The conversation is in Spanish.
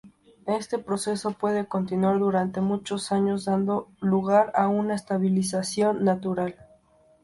Este proceso puede continuar durante muchos años dando lugar a una estabilización natural.